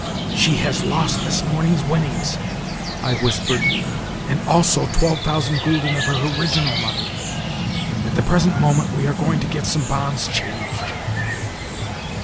"She has lost this morning's winnings," I whispered, "and also twelve thousand gülden of her original money. At the present moment we are going to get some bonds changed."